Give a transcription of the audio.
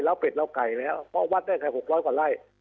แล้วเป็ดเราไก่แล้วเพราะวัดได้แค่๖๐๐กว่าไร่